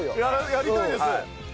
やりたいです。